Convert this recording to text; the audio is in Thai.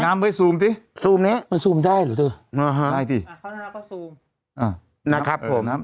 น้ำเฮ้ยซูมสิซูมนี้มันซูมได้หรือได้สิอ่านะครับผมเออน้ำ